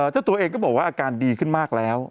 เจ้าตัวเองก็บอกว่าอาการดีขึ้นมากแล้ว